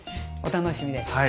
お楽しみです。